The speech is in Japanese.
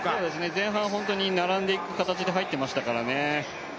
前半並んでいく形で入っていましたからね。